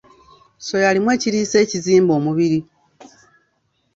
Soya alimu ekiriisa ekizimba omubiri.